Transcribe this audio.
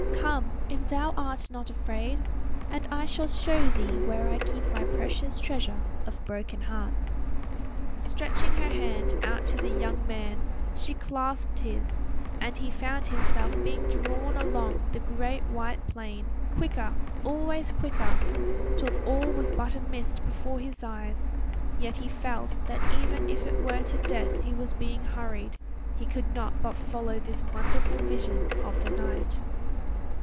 "Come! if thou art not afraid, and I shall show thee where I keep my precious treasure of broken hearts." Stretching her hand out to the young man, she clasped his, and he found himself being drawn along across the great white plain, quicker, always quicker till all was but a mist before his eyes; yet he felt that even if it were to death he was being hurried he could not but follow this wonderful vision of the night.